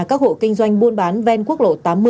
các hộ kinh doanh buôn bán ven quốc lộ tám mươi